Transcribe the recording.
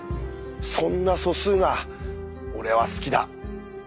そんな素数が俺は好きだ。